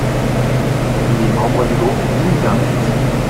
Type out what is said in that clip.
Il est membre du groupe The Internet.